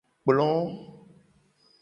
Kplo.